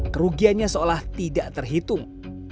kerugiannya seolah tidak terhitung